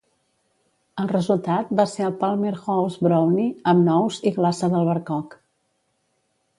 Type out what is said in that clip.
El resultat va ser el Palmer House Brownie amb nous i glaça d'albercoc.